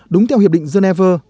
đúng theo hiệp định geneva